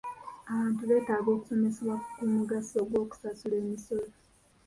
Abantu beetaaga okusomesebwa ku mugaso gw'okusasula emisolo.